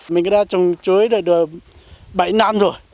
mình đã trồng chuối đời đời bảy năm rồi